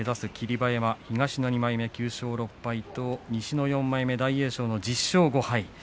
馬山東の２枚目、９勝６敗と西の４枚目、大栄翔１０勝５敗。